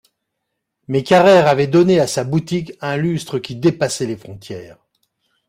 Mais Carrère avait donné à sa boutique un lustre qui dépassait les frontières.